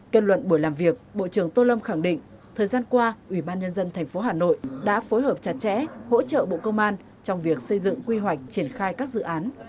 kết luận buổi làm việc bộ trưởng tô lâm khẳng định thời gian qua ủy ban nhân dân tp hà nội đã phối hợp chặt chẽ hỗ trợ bộ công an trong việc xây dựng quy hoạch triển khai các dự án